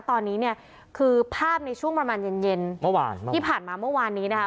ตอนนี้เนี่ยคือภาพในช่วงประมาณเย็นเย็นเมื่อวานที่ผ่านมาเมื่อวานนี้นะคะ